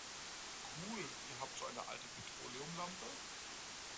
Cool, ihr habt so eine alte Petroleumlampe?